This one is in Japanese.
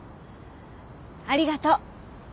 ありがとう。